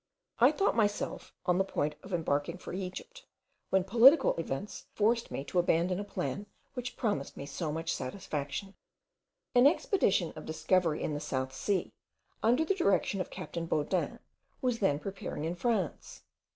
I thought myself on the point of embarking for Egypt, when political events forced me to abandon a plan which promised me so much satisfaction. An expedition of discovery in the South Sea, under the direction of captain Baudin, was then preparing in France.